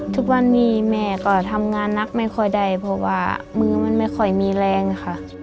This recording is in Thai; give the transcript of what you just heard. ทุกวันนี้แม่ก็ทำงานนักไม่ค่อยได้เพราะว่ามือมันไม่ค่อยมีแรงค่ะ